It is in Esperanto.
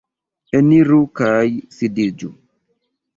Eniru kaj sidiĝu!